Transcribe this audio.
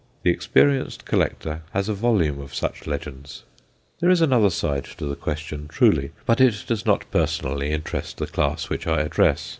The experienced collector has a volume of such legends. There is another side to the question, truly, but it does not personally interest the class which I address.